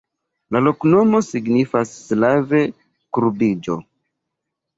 La loknomo signifas slave: kurbiĝo.